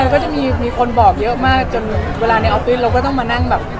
ก็จะมีมีคนบอกเยอะมากจนเวลาในออฟฟิศเราก็ต้องมานั่งแบบ